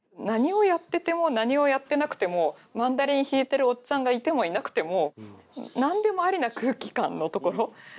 何をやってても何をやってなくてもマンドリン弾いてるおっちゃんがいてもいなくて何でもありな空気感の所。